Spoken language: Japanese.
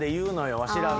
わしらが。